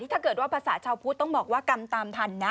ถ้าเกิดว่าภาษาชาวพุทธต้องบอกว่ากรรมตามทันนะ